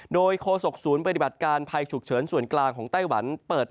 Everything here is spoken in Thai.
โดยโคศกศูนย์ปฏิบัติการภัยฉุกเฉินส่วนกลางของไต้หวันเปิด